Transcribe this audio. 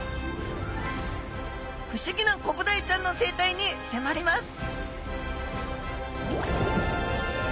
不思議なコブダイちゃんの生態にせまります！